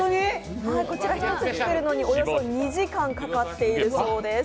こちら１つ作るのにおよそ２時間かかっているそうです。